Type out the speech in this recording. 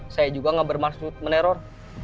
saya juga gak bermaksud meneror